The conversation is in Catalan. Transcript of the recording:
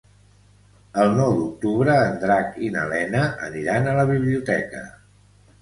El nou d'octubre en Drac i na Lena aniran a la biblioteca.